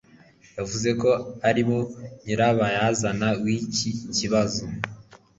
yavuze ko ari bo nyirabayazana w'iki kibazo